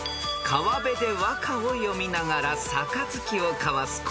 ［川辺で和歌を詠みながら杯を交わすこの伝統行事］